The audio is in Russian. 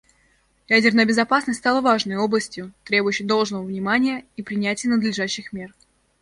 Ядерная безопасность стала важной областью, требующей должного внимания и принятия надлежащих мер.